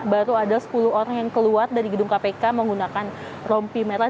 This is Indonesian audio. baru ada sepuluh orang yang keluar dari gedung kpk menggunakan rompi merah